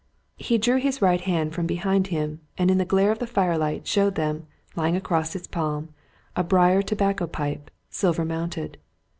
He drew his right hand from behind him, and in the glare of the firelight showed them, lying across its palm, a briar tobacco pipe, silver mounted.